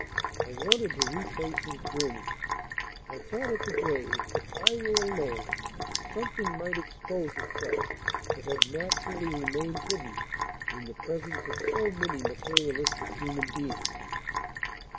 I wanted to retrace his journey. I thought at the grave, if I were alone, something might expose itself that had naturally remained hidden in the presence of so many materialistic human beings."